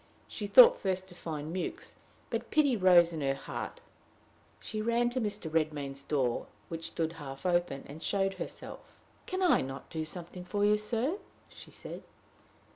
She thought first to find Mewks, but pity rose in her heart. She ran to Mr. Redmain's door, which stood half open, and showed herself. "Can I not do something for you, sir?" she said.